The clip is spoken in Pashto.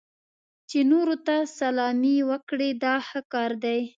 چې نورو ته سلامي وکړئ دا ښه کار دی.